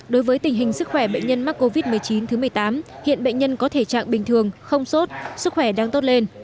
đối với tình hình sức khỏe bệnh nhân mắc covid một mươi chín thứ một mươi tám hiện bệnh nhân có thể trạng bình thường không sốt sức khỏe đang tốt lên